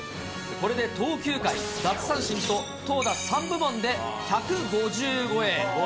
これで投球回、奪三振と、投打３部門で１５０超え。